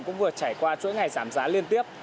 cũng vừa trải qua chuỗi ngày giảm giá liên tiếp